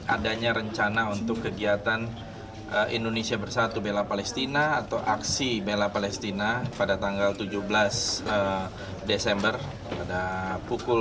adanya rencana untuk kegiatan indonesia bersatu bella palestina atau aksi bela palestina pada tanggal tujuh belas desember pada pukul